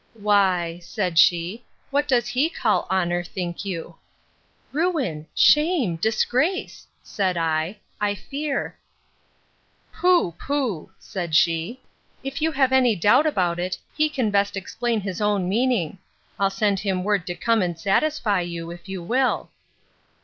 Why, said she, what does he call honour, think you?—Ruin! shame! disgrace! said I, I fear.—Pho! pho! said she; if you have any doubt about it, he can best explain his own meaning:—I'll send him word to come and satisfy you, if you will.